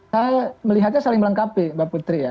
saya melihatnya saling melengkapi mbak putri ya